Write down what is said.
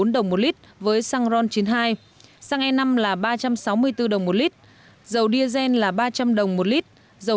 bốn trăm một mươi bốn đồng một lit với xăng ron chín mươi hai xăng e năm là ba trăm sáu mươi bốn đồng một lit dầu diazen là ba trăm linh đồng một lit dầu